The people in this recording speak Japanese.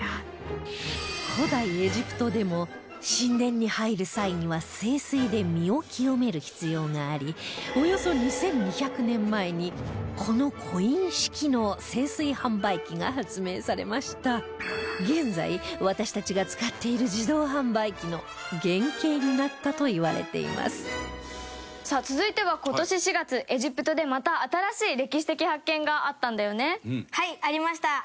古代エジプトでも神殿に入る際には聖水で身を清める必要がありおよそ２２００年前にこのコイン式の聖水販売機が発明されました現在、私たちが使っている自動販売機の原型になったといわれていますさあ、続いては今年４月、エジプトでまた新しい歴史的発見があったんだよね。